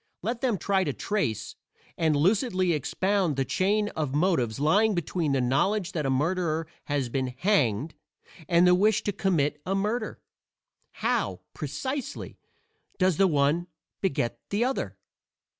Let them try to trace and lucidly expound the chain of motives lying between the knowledge that a murderer has been hanged and the wish to commit a murder. How, precisely, does the one beget the other?